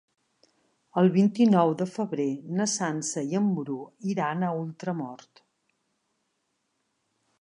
El vint-i-nou de febrer na Sança i en Bru iran a Ultramort.